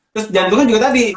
terus jantungnya juga tadi